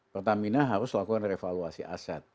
pertamina harus lakukan revaluasi aset